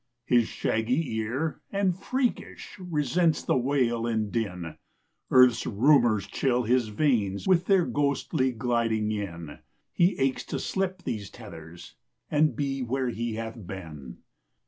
His shaggy ear and freakish resents the wail and din; Earth's rumors chill his veins with their ghostly gliding in; He aches to slip these tethers, and be where he hath been.